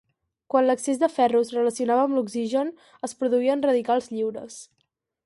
Quan l'excés de ferro reaccionava amb l'oxigen, es produïen radicals lliures.